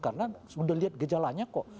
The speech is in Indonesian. karena sudah lihat gejalanya kok